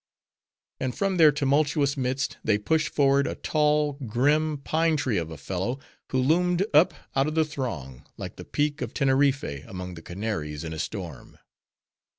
And from their tumultuous midst, they pushed forward a tall, grim, pine tree of a fellow, who loomed up out of the throng, like the Peak of Teneriffe among the Canaries in a storm.